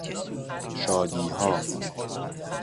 شادیها